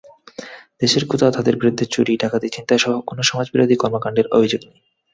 দেশের কোথাও তাঁদের বিরুদ্ধে চুরি, ডাকাতি, ছিনতাইসহ কোনো সমাজবিরোধী কর্মকাণ্ডের অভিযোগ নেই।